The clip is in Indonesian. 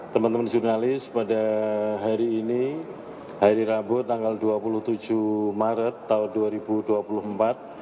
teman teman jurnalis pada hari ini hari rabu tanggal dua puluh tujuh maret tahun dua ribu dua puluh empat